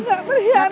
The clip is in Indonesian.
gak perhianat kan